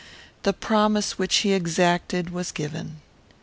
The promise which he exacted was given.